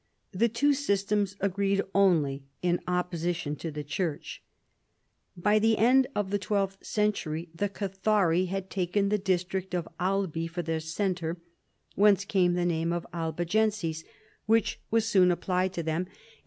The two systems agreed only in opposition to the church. By the end of the twelfth century the Cathari had taken the district of Albi for their centre, whence came the name of Albigenses which was soon applied to them, and 186 PHILIP AUGUSTUS chap.